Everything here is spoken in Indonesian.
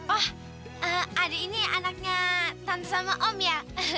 oh adik ini anaknya tan sama om ya